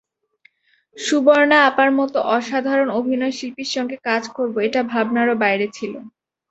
সুবর্ণা আপার মতো অসাধারণ অভিনয়শিল্পীর সঙ্গে কাজ করব এটা ভাবনারও বাইরে ছিল।